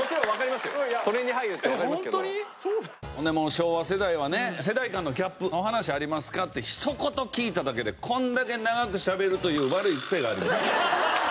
昭和世代はね「世代間のギャップの話ありますか？」って一言聞いただけでこんだけ長くしゃべるという悪い癖があります。